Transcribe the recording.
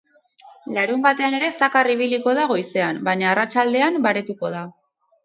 Larunbatean ere zakar ibiliko da goizean, baina arratsaldean baretuko da.